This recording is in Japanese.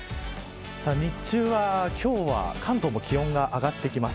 日中は今日は関東も気温が上がってきます。